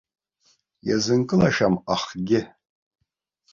Иазынкылашам ахгьы.